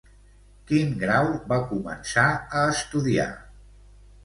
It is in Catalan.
Quin grau va començar a estudiar?